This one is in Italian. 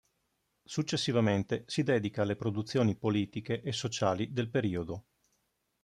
Successivamente si dedica alle produzioni politiche e sociali del periodo.